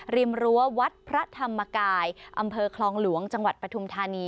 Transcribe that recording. รั้ววัดพระธรรมกายอำเภอคลองหลวงจังหวัดปฐุมธานี